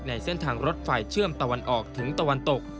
ในเส้นทางรถไฟเชื่อมตะวันออกถึงตะวันตก